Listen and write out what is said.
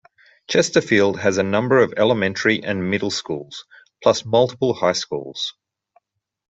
Chesterfield has a number of elementrary and middle schools, plus multiple high schools.